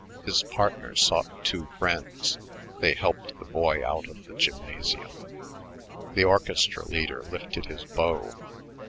His partner sought two friends. They helped the boy out of the gymnasium. The orchestra leader lifted his bow.